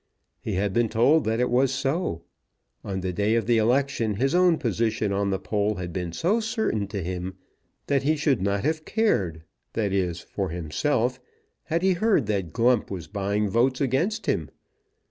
He had been told that it was so. On the day of the election his own position on the poll had been so certain to him, that he should not have cared, that is, for himself, had he heard that Glump was buying votes against him.